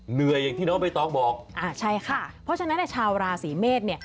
อย่างที่น้องใบตองบอกอ่าใช่ค่ะเพราะฉะนั้นชาวราศีเมษเนี่ย